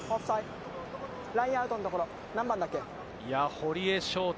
堀江翔太。